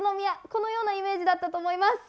こんなイメージだったと思います。